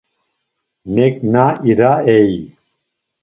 Neǩna iraey.